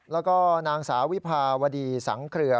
แล้วก็นางสาววิภาวดีสังเครือ